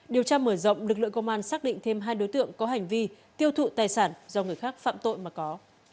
điều tra mở rộng lực lượng công an xác định thêm hai đối tượng có hành vi tiêu thụ tài sản do người khác phạm tội mà có